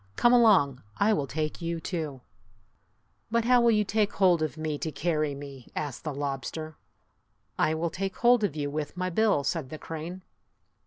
Come along. I will take you, too !" "But how will you take hold of me to carry me?" asked the lobster. "I will take hold of you with my bill," said the crane.